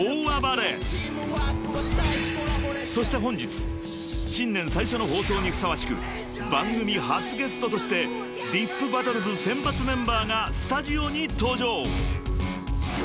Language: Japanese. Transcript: ［そして本日新年最初の放送にふさわしく番組初ゲストとしてｄｉｐＢＡＴＴＬＥＳ選抜メンバーがスタジオに登場］